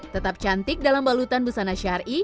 tetap cantik dalam balutan busana syari